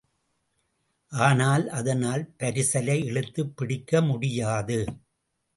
ஆனால் அதனால் பரிசலை இழுத்துப் பிடிக்க முடியாது.